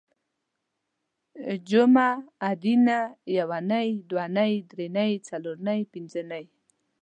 جومه ادینه یونۍ دونۍ درېنۍ څلورنۍ پنځنۍ